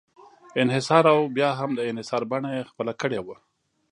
انحصار او بیا هم د انحصار بڼه یې خپله کړې وه.